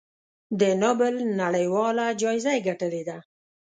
د نوبل نړیواله جایزه یې ګټلې ده.